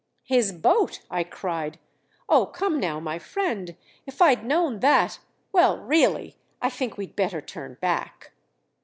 _" "His boat?" I cried. "Oh, come now, my friend if I'd known that well, really, I think we'd better turn back."